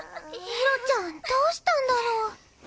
ひろちゃんどうしたんだろう。